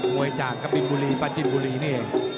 วยจากกะบินบุรีปาจินบุรีนี่